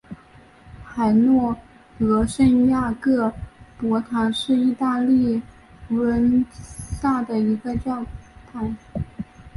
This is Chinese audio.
阿诺河圣雅各伯堂是意大利佛罗伦萨一个教堂。